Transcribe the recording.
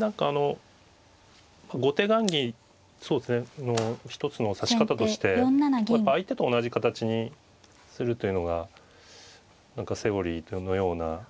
何かあの後手雁木の一つの指し方として相手と同じ形にするというのが何かセオリーのような。